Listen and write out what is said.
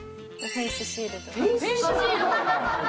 フェイスシールド？